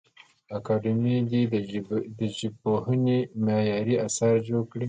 اکاډمي دي د ژبپوهنې معیاري اثار جوړ کړي.